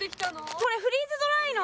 これフリーズドライの。